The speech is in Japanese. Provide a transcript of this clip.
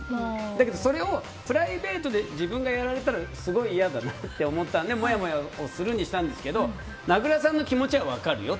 だけどそれをプライベートで自分がやられたらすごい嫌だなって思ったのでもやもやするにしたんですけど名倉さんの気持ちは分かるよ